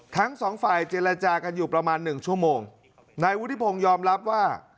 ทั้งสองฝ่ายเจรจากันอยู่ประมาณหนึ่งชั่วโมงนายวุฒิพงศ์ยอมรับว่า